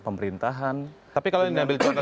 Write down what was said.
pemerintahan tapi kalau ini ambil contoh